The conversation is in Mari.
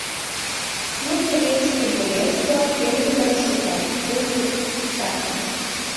Но советский боец-влак пеҥгыдын шогат, огыт чакне.